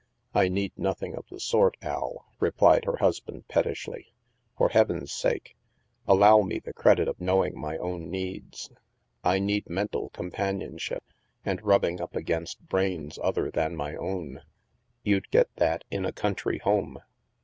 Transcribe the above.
" I need nothing of the sort, Al," replied her hus band pettishly. " For heaven's sake, allow me the credit for knowing my own needs. I need mental companionship, and rubbing up against brains other than my own." " You'd get that in a country home.